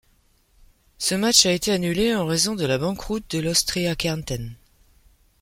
Ce match a été annulé en raison de la banqueroute de l'Austria Kärnten.